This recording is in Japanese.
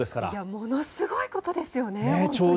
ものすごいことですよね。